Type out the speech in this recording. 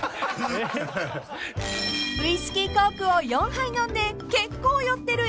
［ウイスキーコークを４杯飲んで結構酔ってるＥＬＬＹさん］